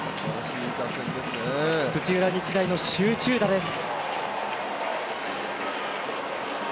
土浦日大の集中打です。